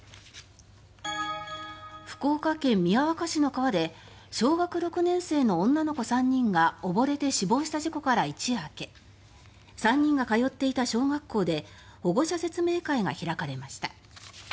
福岡県宮若市の川で小学６年生の女の子３人が溺れて死亡した事故から一夜明け３人が通っていた小学校で保護者説明会が開かれました。